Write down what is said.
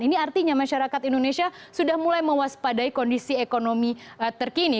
ini artinya masyarakat indonesia sudah mulai mewaspadai kondisi ekonomi terkini